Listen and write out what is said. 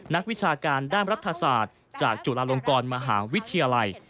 วิชาการด้านรัฐศาสตร์จากจุฬาลงกรมหาวิทยาลัย